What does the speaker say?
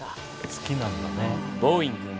好きなんだね。